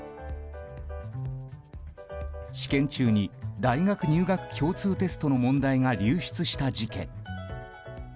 試験中に大学入学共通テストの問題が流出した事件。